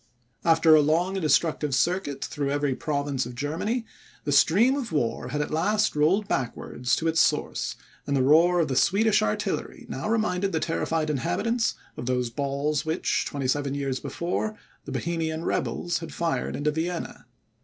After a long and destructive circuit through every province of Germany, the stream of war had at last rolled backwards to its source, and the roar of the Swedish artillery now reminded the terrified inhabitants of those balls which, twenty seven years before, the Bohemian rebels had fired into Vienna.